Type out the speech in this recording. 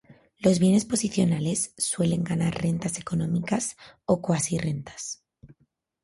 Los bienes posicionales suelen ganar rentas económicas o cuasi-rentas.